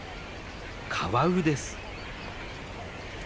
カワウです。